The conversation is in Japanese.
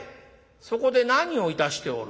そこで何をいたしておる？」。